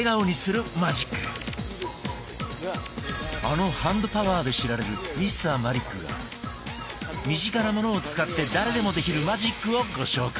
あのハンドパワーで知られるＭｒ．マリックが身近なものを使って誰でもできるマジックをご紹介！